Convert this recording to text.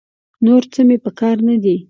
نور څه مې په کار نه دي.